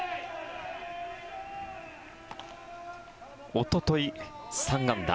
おととい、３安打。